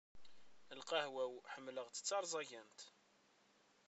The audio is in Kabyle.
Lqahwa-w, ḥemmleɣ-tt d tarẓagant.